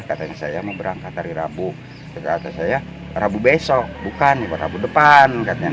katanya saya mau berangkat hari rabu kata saya rabu besok bukan ibu rabu depan katanya